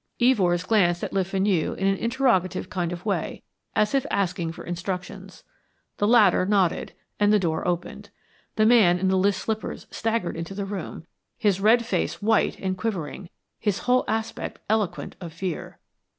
Evors glanced at Le Fenu in an interrogative kind of way, as if asking for instructions. The latter nodded, and the door opened. The man in the list slippers staggered into the room, his red face white and quivering, his whole aspect eloquent of fear.